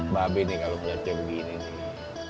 babe nih kalau ngeliatnya begini